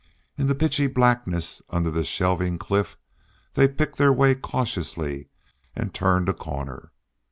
In the pitchy blackness under the shelving cliff they picked their way cautiously, and turned a corner.